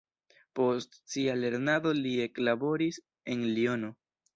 Post sia lernado li eklaboris en Liono.